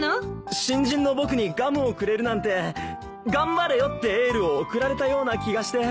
新人の僕にガムをくれるなんて頑張れよってエールを送られたような気がして。